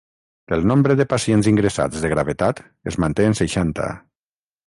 El nombre de pacients ingressats de gravetat es manté en seixanta.